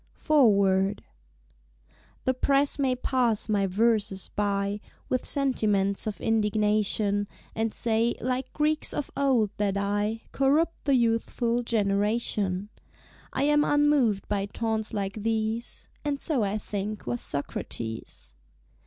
Foreword The Press may pass my Verses by With sentiments of indignation, And say, like Greeks of old, that I Corrupt the Youthful Generation; I am unmoved by taunts like these (And so, I think, was Socrates).